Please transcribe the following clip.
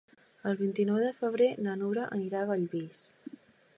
El vint-i-nou de febrer na Nura anirà a Bellvís.